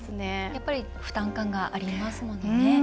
やっぱり負担感がありますものね。